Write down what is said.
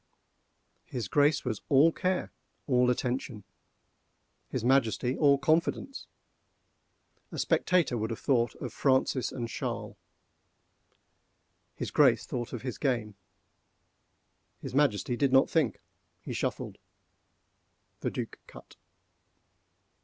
_" His Grace was all care, all attention—his Majesty all confidence. A spectator would have thought of Francis and Charles. His Grace thought of his game. His Majesty did not think; he shuffled. The Duc cut.